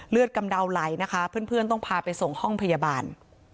กำเดาไหลนะคะเพื่อนต้องพาไปส่งห้องพยาบาล